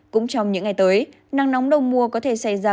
cũng trong những ngày tới nắng nóng đầu mùa có thể xảy ra